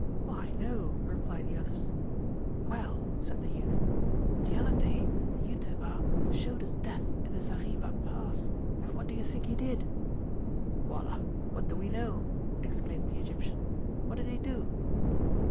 Why, no, replied the others. Well, said the youth, the other day the Utaybah showed us death in the Zaribah Pass, and what do you think he did? Wallah! what do we know! exclaimed the Egyptian, What did he do?